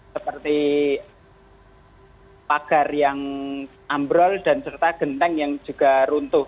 seperti pagar yang ambrol dan serta genteng yang juga runtuh